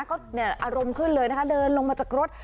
ก็อารมณ์ขึ้นเลยนะคะเดินลงมาจากรถ